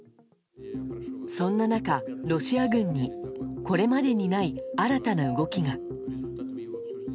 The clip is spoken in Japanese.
そんな中、ロシア軍にこれまでにない新たな動きが。